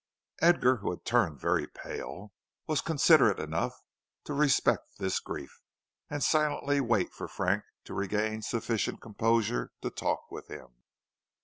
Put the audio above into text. Edgar, who had turned very pale, was considerate enough to respect this grief, and silently wait for Frank to regain sufficient composure to talk with him.